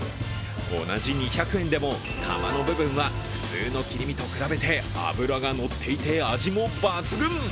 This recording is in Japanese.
同じ２００円でも、カマの部分は普通の切り身と比べて脂が乗っていて、味も抜群。